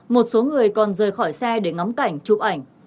một số người còn rời khỏi xe để ngắm cảnh chụp ảnh